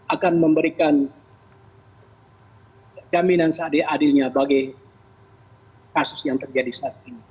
akan memberikan jaminan seadil adilnya bagi kasus yang terjadi saat ini